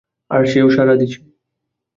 আর সেও সাড়া দিছে।